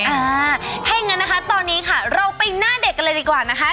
อ่าถ้าอย่างนั้นนะคะตอนนี้ค่ะเราไปหน้าเด็กกันเลยดีกว่านะคะ